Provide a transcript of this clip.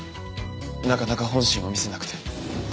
なかなか本心を見せなくて。